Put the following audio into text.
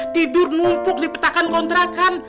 tidur numpuk dipetakan kontrakan